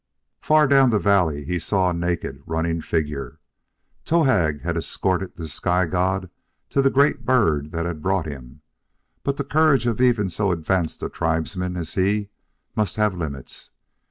Far down the valley he saw a naked, running figure. Towahg had escorted this sky god to the great bird that had brought him, but the courage of even so advanced a tribesman as he must have limits.